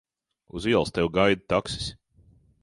Uz ielas tevi gaida taksis.